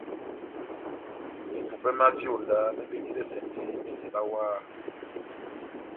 Mepupè myá vyonda mebetidɛsɛndi meseba wah.